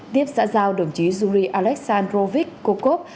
tiếp xã giao đồng chí yuri alexandrovich kokov